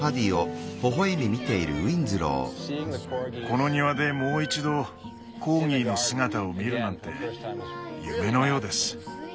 この庭でもう一度コーギーの姿を見るなんて夢のようです。